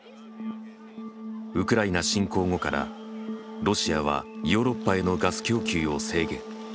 ウクライナ侵攻後からロシアはヨーロッパへのガス供給を制限。